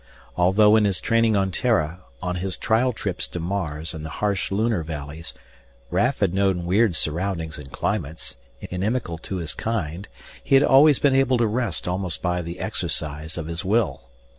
Although in his training on Terra, on his trial trips to Mars and the harsh Lunar valleys, Raf had known weird surroundings and climates, inimical to his kind, he had always been able to rest almost by the exercise of his will.